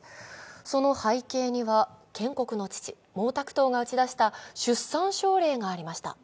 その背景には、建国の父・毛沢東が打ち出した出産奨励がありました。